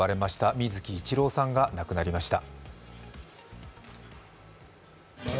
水木一郎さんが亡くなりました。